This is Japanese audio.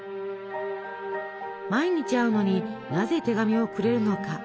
毎日会うのになぜ手紙をくれるのか。